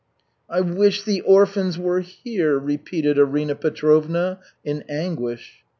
"I wish the orphans were here," repeated Arina Petrovna in anguish.